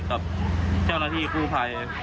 กับเจ้าหน้าที่กู้ภัย